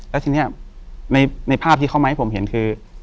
แล้วทีนี้ในภาพที่เขามาให้ผมเห็นคือ